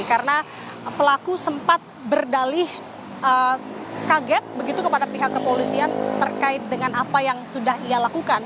karena pelaku sempat berdalih kaget begitu kepada pihak kepolisian terkait dengan apa yang sudah ia lakukan